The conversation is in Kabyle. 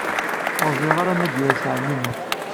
Ur ẓriɣ ara ma d-yas ɛemmi Muḥ.